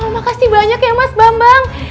makasih banyak ya mas bambang